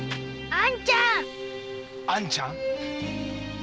あんちゃん！